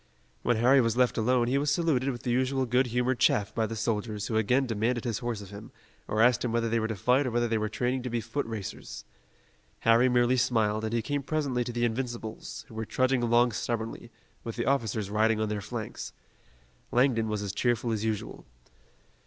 When Harry was left alone he was saluted with the usual good humored chaff by the soldiers who again demanded his horse of him, or asked him whether they were to fight or whether they were training to be foot racers. Harry merely smiled, and he came presently to the Invincibles, who were trudging along stubbornly, with the officers riding on their flanks. Langdon was as cheerful as usual.